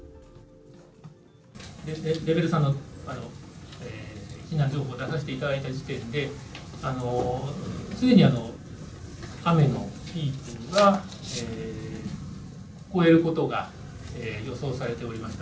レベル３の避難情報を出させていただいた時点で、すでに雨のピークは越えることが予想されておりました。